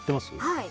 はい。